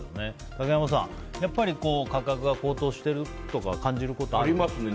竹山さん、価格が高騰していると感じることある？ありますね。